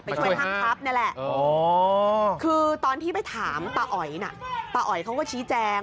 ช่วยห้างทัพนี่แหละคือตอนที่ไปถามป้าอ๋อยน่ะป้าอ๋อยเขาก็ชี้แจง